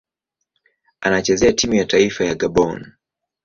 Anachezea timu ya taifa ya Gabon.